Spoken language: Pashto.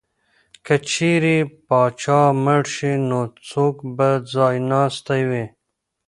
که چېرې پاچا مړ شي نو څوک به ځای ناستی وي؟